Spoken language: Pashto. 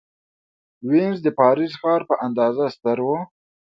وینز د پاریس ښار په اندازه ستر و.